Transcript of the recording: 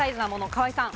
河井さん。